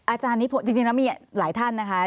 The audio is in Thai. อาจารย์นี้จริงแล้วมีหลายท่านนะคะ